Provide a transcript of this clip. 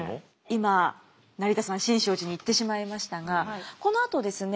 今成田山新勝寺に行ってしまいましたがこのあとですね